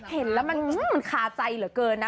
เห็นแล้วมันคาใจเหลือเกินนะ